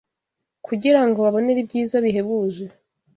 kugira ngo babonere ibyiza bihebuje